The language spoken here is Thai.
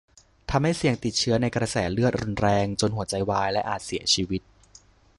ทำให้เสี่ยงติดเชื้อในกระแสเลือดรุนแรง จนหัวใจวาย และอาจเสียชีวิต